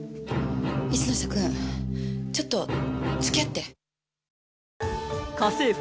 一ノ瀬くんちょっと付き合って。